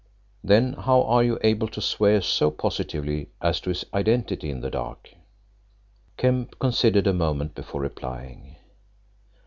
"Then how are you able to swear so positively as to his identity in the dark?" Kemp considered a moment before replying.